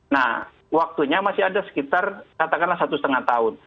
nah waktunya masih ada sekitar katakanlah satu setengah tahun